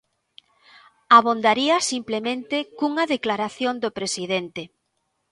Abondaría simplemente cunha declaración do presidente.